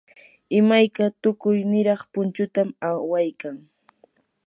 imayka tukuy niraq punchutam awaykan.